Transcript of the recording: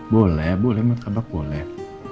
boleh boleh matabak boleh